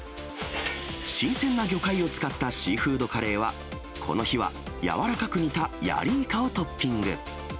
新鮮な魚介を使ったシーフードカレーは、この日は軟らかく煮たヤリイカをトッピング。